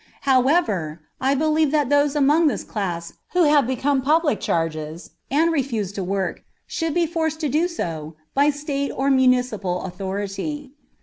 However, I believe that those among this class who have become public charges and refuse to work should be forced to do so by state or municipal authority.